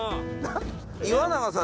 岩永さん